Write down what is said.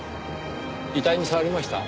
遺体に触りました？